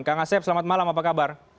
kang asep selamat malam apa kabar